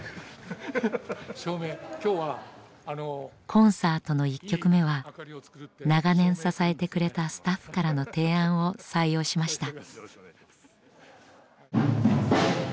コンサートの１曲目は長年支えてくれたスタッフからの提案を採用しました。